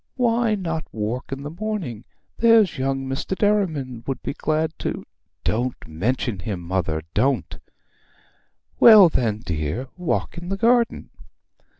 Why not walk in the morning? There's young Mr. Derriman would be glad to ' 'Don't mention him, mother, don't!' 'Well then, dear, walk in the garden.'